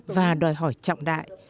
và đòi hỏi trọng đại